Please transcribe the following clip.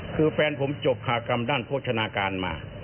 คือแฟนผมจบคากรรมด้านโภชนาการมา